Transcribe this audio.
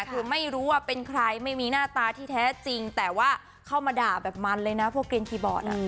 คือไม่รู้ว่าเป็นใครไม่มีหน้าตาที่แท้จริงแต่ว่าเข้ามาด่าแบบมันเลยนะพวกเกลียนคีย์บอร์ด